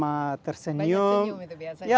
banyak tersenyum itu biasanya